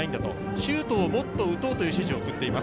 シュートをもっと打とうという指示を送っています。